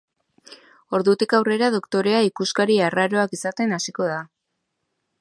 Ordutik aurrera doktorea ikuskari arraroak izaten hasiko da.